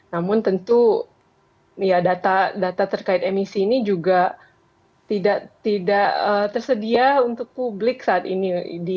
namun tentu data terkait emisi ini juga tidak tersedia untuk publik saat ini